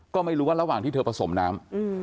ก็ไม่รู้ว่าระหว่างที่เธอผสมน้ำ